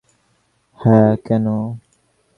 হ্যাঁ, কেন?